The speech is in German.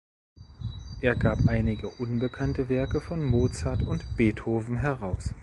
Er gab einige unbekannte Werke von Mozart und Beethoven heraus.